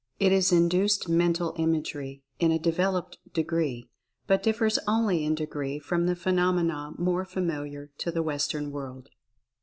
It is Induced Mental Imagery in a developed degree, but differs only in degree from the phenomena more familiar to the Western World.